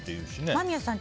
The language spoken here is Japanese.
間宮さん